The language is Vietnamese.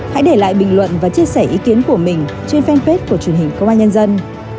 hãy để lại bình luận và chia sẻ ý kiến của mình trên fanpage của truyền hình công an nhân dân